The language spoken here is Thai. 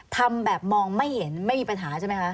ทำแบบมองไม่เห็นไม่มีปัญหาใช่ไหมคะ